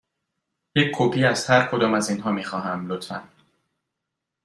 یک کپی از هر کدام از اینها می خواهم، لطفاً.